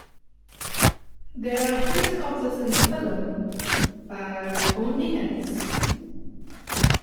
There are hints of this in the film, but only hints.